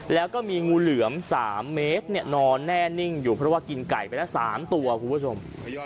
แล้วก็มีงูเหลือม๓เมตรนอนแน่นิ่งอยู่เพราะว่ากินไก่ไปละ๓ตัวคุณผู้ชม